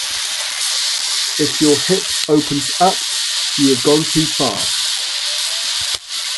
If your hip opens up, you have gone too far.